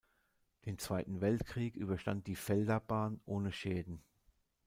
Den Zweiten Weltkrieg überstand die Feldabahn ohne Schäden.